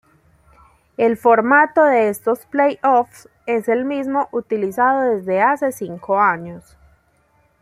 El formato de estos "playoffs" es el mismo utilizado desde hace cinco años.